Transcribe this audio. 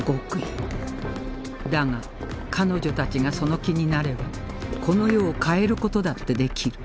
だが彼女たちがその気になればこの世を変える事だってできる